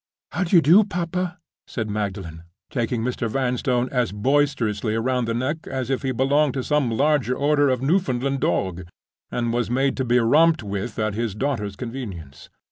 "How d'ye do, papa?" said Magdalen, taking Mr. Vanstone as boisterously round the neck as if he belonged to some larger order of Newfoundland dog, and was made to be romped with at his daughter's convenience.